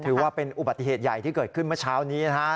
ถือว่าเป็นอุบัติเหตุใหญ่ที่เกิดขึ้นเมื่อเช้านี้นะครับ